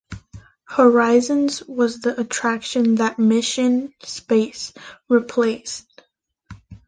Horizons was the attraction that Mission: Space replaced.